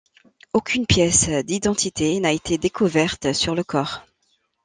Aucune pièce d’identité n’a été découverte sur le corps.